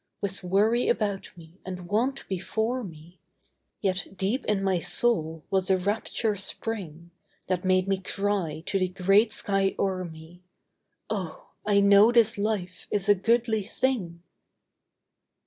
With worry about me and want before me— Yet deep in my soul was a rapture spring That made me cry to the grey sky o'er me: 'Oh, I know this life is a goodly thing!